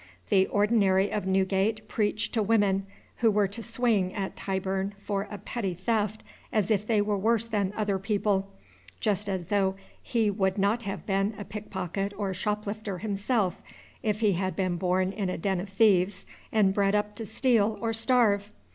The ordinary of Newgate preached to women who were to swing at Tyburn for a petty theft as if they were worse than other people, just as though he would not have been a pickpocket or shoplifter, himself, if he had been born in a den of thieves and bred up to steal or starve!